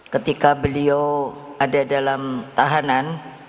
ketika beliau ada dalam tahanan